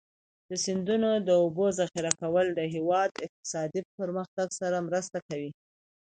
د سیندونو د اوبو ذخیره کول د هېواد اقتصادي پرمختګ سره مرسته کوي.